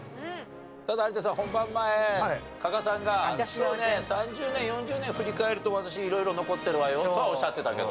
ただ有田さん本番前加賀さんが「そうね３０年４０年振り返ると私色々残ってるわよ」とはおっしゃってたけど。